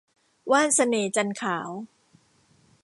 ว่านเสน่ห์จันทร์ขาว